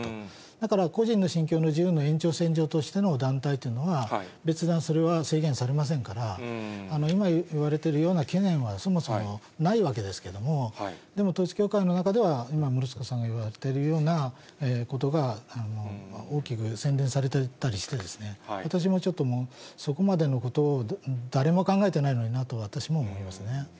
だから、個人の信教の自由の延長線上としての団体というものは、別段それは制限されませんから、今言われているような懸念はそもそもないわけですけども、でも、統一教会の中では、今、もるすこさんが言われているようなことが、大きく宣伝されてたりして、私もちょっと、そこまでのことを誰も考えてないのになと、私も思いますね。